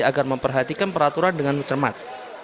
agar memperhatikan peraturan dengan cermat